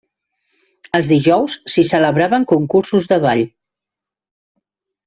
Els dijous s'hi celebraven concursos de ball.